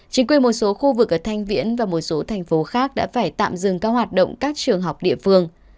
chính quyền một số khu vực ở thanh viễn và một số thành phố khác đã phải tạm dừng các hoạt động các trường học địa phương